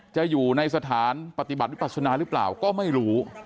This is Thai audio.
จะอยู่ในสถานปฏิบัติวิปัสนาหรือเปล่าก็ไม่รู้